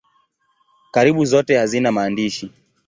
Karibu zote hazina maandishi.